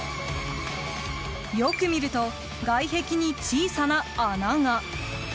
よく見ると外壁に小さな穴が。